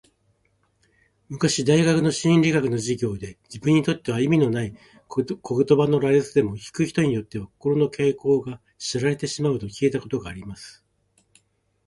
昔大学の心理学の授業で、自分にとっては意味のない言葉の羅列でも、聞く人によっては、心の傾向が知られてしまうと聞いたことがあります。